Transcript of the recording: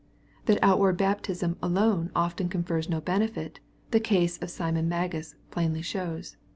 — That outward baptism alone often confers no benefit, the case of Simon Magus plainly shews.